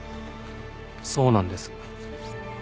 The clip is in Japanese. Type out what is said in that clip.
そうなんです。